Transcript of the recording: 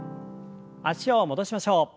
脚を戻しましょう。